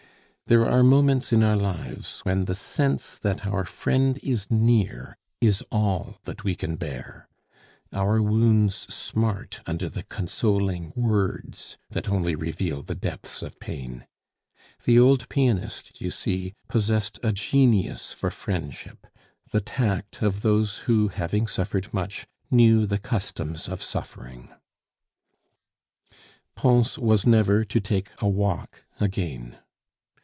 There are moments in our lives when the sense that our friend is near is all that we can bear. Our wounds smart under the consoling words that only reveal the depths of pain. The old pianist, you see, possessed a genius for friendship, the tact of those who, having suffered much, knew the customs of suffering. Pons was never to take a walk again.